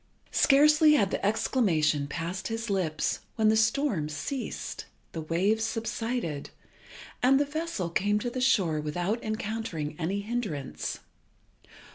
Scarcely had the exclamation passed his lips when the storm ceased, the waves subsided, and the vessel came to the shore without encountering any hindrance.